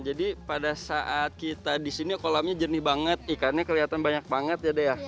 jadi pada saat kita disini kolamnya jernih banget ikannya kelihatan banyak banget